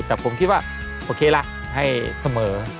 แต่ผมคิดว่าโอเคละให้เสมอ